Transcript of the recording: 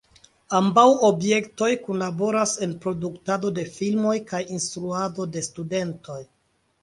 Ambaŭ objektoj kunlaboras en produktado de filmoj kaj instruado de studentoj.